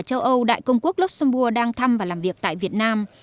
trung quốc luxembourg đang thăm và làm việc tại việt nam